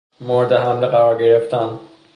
مورد حمله قرار گرفتن